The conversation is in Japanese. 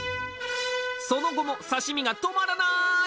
その後も刺身が止まらない！